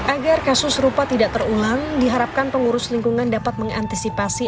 agar kasus serupa tidak terulang diharapkan pengurus lingkungan dapat mengantisipasi